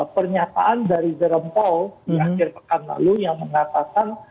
pernyataan dari jerome paul di akhir pekan lalu yang mengatakan